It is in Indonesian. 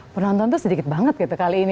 penonton tuh sedikit banget gitu kali ini